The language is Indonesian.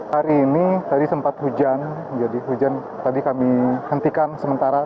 hari ini tadi sempat hujan jadi hujan tadi kami hentikan sementara